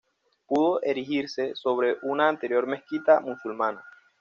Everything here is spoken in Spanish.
Pudo erigirse sobre una anterior mezquita musulmana.